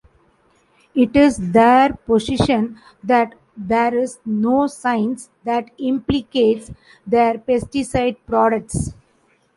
It is their position that there is no science that implicates their pesticide products.